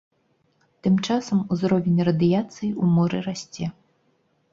Тым часам узровень радыяцыі ў моры расце.